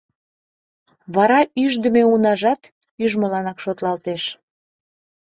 Вара ӱждымӧ унажат ӱжмыланак шотлалтеш.